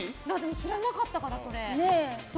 知らなかったから、それ。